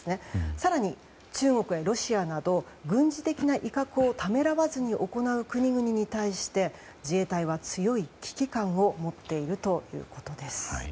更に、中国やロシアなど軍事的な威嚇をためらわず行う国々に対し自衛隊は強い危機感を持っているということです。